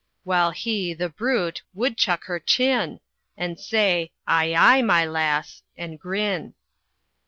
While he, the brute, woodchuck her chin, And say, "Aye aye, my lass!" and grin.